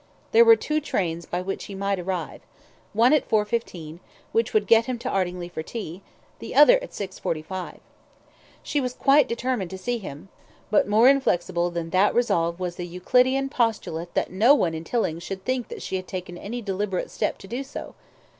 There were two trains by which he might arrive one at 4.15, which would get him to Ardingly for tea, the other at 6.45. She was quite determined to see him, but more inflexible than that resolve was the Euclidean postulate that no one in Tilling should think that she had taken any deliberate step to do so.